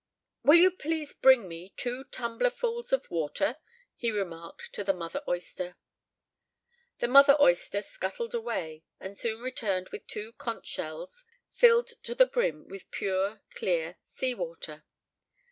"Will you please bring me two tumblerfuls of water?" he remarked to the mother oyster. The mother oyster scuttled away, and soon returned with two conch shells filled to the brim with pure, clear sea water.